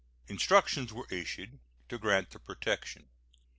Instructions were issued to grant the protection.